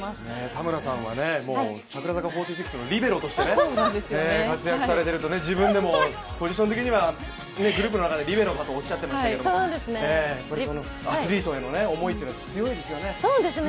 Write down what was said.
田村さんはグループのリベロとして頑張ると自分でもポジション的には、グループの中ではリベロだとおっしゃっていましたけど、アスリートへの思いというのは強いですよね。